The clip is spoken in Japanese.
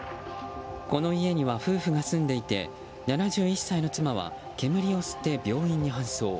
この家には夫婦が住んでいて７１歳の妻は煙を吸って病院に搬送。